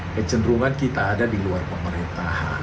kecenderungan kita ada di luar pemerintahan